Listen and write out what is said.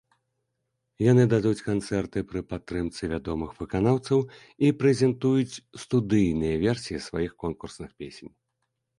Яны дадуць канцэрты пры падтрымцы вядомых выканаўцаў і прэзентуюць студыйныя версіі сваіх конкурсных песень.